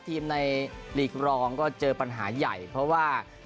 ทีมในหลีกรองก็เจอปัญหาใหญ่เพราะว่า